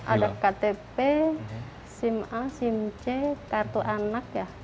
ada ktp sim a sim c dan sim c